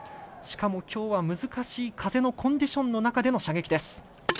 しかもきょうは難しい風のコンディションの中での射撃です。